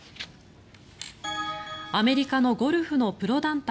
アメリカのゴルフのプロ団体